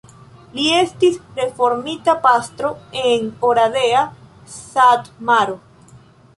Li estis reformita pastro en Oradea, Satmaro.